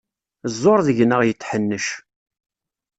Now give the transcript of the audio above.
Ẓẓur deg-neɣ yetḥennec.